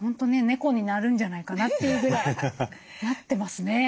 猫になるんじゃないかなというぐらいなってますね。